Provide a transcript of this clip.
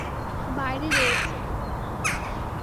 বাইরে রয়েছে।